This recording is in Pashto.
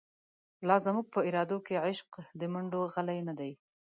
لا زموږ په ارادو کی، عشق د مڼډو غلۍ نه دۍ